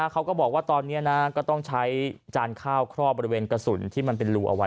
เขาก็บอกว่าตอนนี้ก็ต้องใช้จานข้าวครอบบริเวณกระสุนที่มันเป็นรูเอาไว้